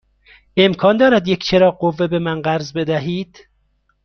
امکان دارد یک چراغ قوه به من قرض بدهید؟